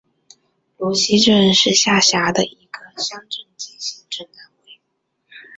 罗溪镇是下辖的一个乡镇级行政单位。